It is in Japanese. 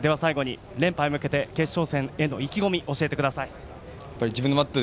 最後に連覇へ向けて決勝戦への意気込みを教えてください。